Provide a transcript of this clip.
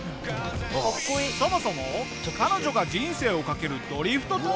そもそも彼女が人生を懸けるドリフトとは。